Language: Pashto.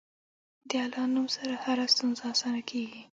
د الله نوم سره هره ستونزه اسانه کېږي.